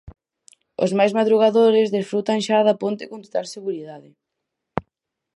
Os máis madrugadores desfrutan xa da ponte con total seguridade.